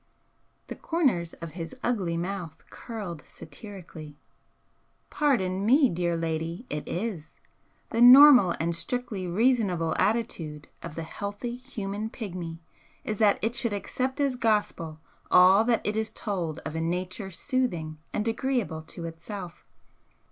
The corners of his ugly mouth curled satirically. "Pardon me, dear lady, it is! The normal and strictly reasonable attitude of the healthy human Pigmy is that It should accept as gospel all that It is told of a nature soothing and agreeable to Itself.